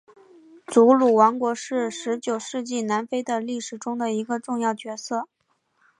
祖鲁王国是十九世纪南非的历史中的一个重要角色。